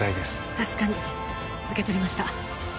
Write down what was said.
確かに受け取りました